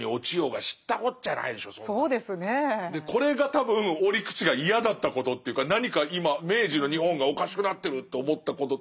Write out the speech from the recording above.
でこれが多分折口が嫌だったことっていうか何か今明治の日本がおかしくなってると思ったことと